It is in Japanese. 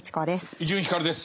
伊集院光です。